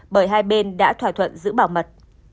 bởi hai bên đã thỏa thuận giữ bảo mật